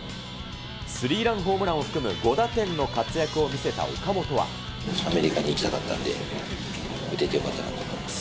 スリーランホームランを含むアメリカに行きたかったので、打ててよかったなと思います。